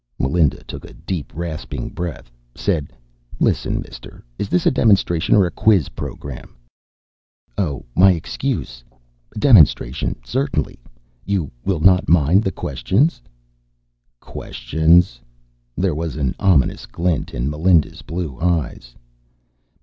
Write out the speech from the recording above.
Melinda took a deep rasping breath, said, "Listen, mister, is this a demonstration or a quiz program?" "Oh, my excuse. Demonstration, certainly. You will not mind the questions?" "Questions?" There was an ominous glint in Melinda's blue eyes.